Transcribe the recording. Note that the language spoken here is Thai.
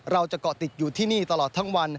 เราจะเกาะติดอยู่ที่นี่ตลอดทั้งวัน